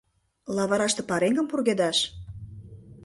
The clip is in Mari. Лавыраште пареҥгым пургедаш?